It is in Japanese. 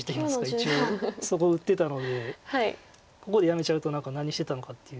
一応そこ打ってたのでここでやめちゃうと何してたのかっていう。